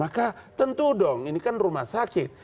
maka tentu dong ini kan rumah sakit